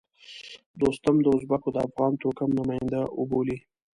دوستم د ازبکو د افغان توکم نماینده وبولي.